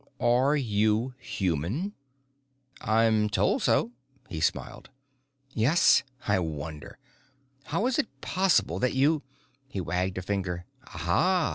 Are you human?" "I'm told so." He smiled. "Yes? I wonder! How is it possible that you " He wagged a finger. "Ah ah!